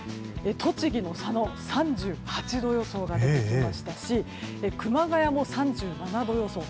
栃木の佐野、３８度予想が出てきましたし熊谷も３７度予想。